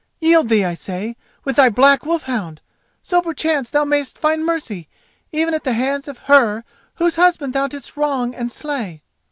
Yield thee, I say, with thy black wolf hound, so perchance thou mayest find mercy even at the hands of her whose husband thou didst wrong and slay."